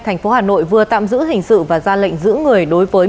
thành phố hà nội vừa tạm giữ hình sự và ra lệnh giữ người